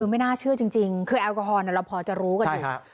ไม่น่าเชื่อจริงคือแอลกอฮอลเราพอจะรู้กันอยู่